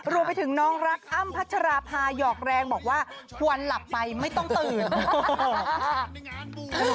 รวมไปถึงน้องรักอ้ำพัชราภาหยอกแรงบอกว่าควรหลับไปไม่ต้องตื่น